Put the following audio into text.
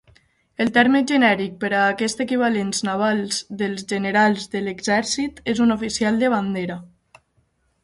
El terme genèric per a aquests equivalents navals dels generals de l'exèrcit és un oficial de bandera.